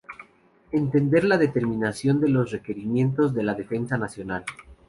Entender en la determinación de los requerimientos de la defensa nacional.